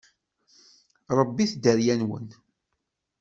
Rebbit dderya-nwen!